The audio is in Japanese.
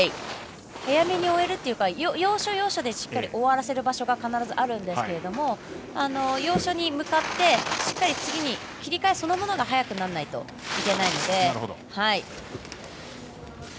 早めに終えるというか要所要所でしっかり終わらせる場所が必ずあるんですけど要所に向かってしっかり次に切り替えそのものが早くならないといけないので。